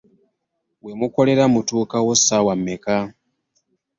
We mukolera mutuukawo ssaawa mmeka?